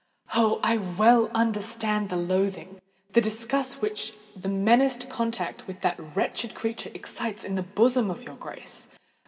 Oh! I well understand the loathing—the disgust which the menaced contact with that wretched creature excites in the bosom of your Grace.